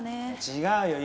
違うよ。